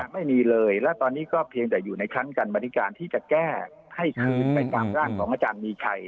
ไม่มีเลยและตอนนี้ก็เพียงแต่อยู่ในชั้นกรรมธิการที่จะแก้ให้คืนไปตามร่างของอาจารย์มีชัย